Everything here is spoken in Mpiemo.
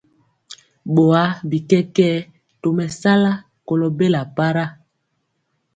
Boa bi kɛkɛɛ tomesala kolo bela para.